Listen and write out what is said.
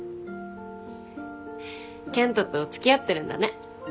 健人と付き合ってるんだね。